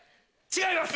違います。